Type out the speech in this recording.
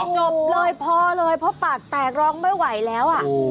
จบเลยพอเลยเพราะปากแตกร้องไม่ไหวแล้ว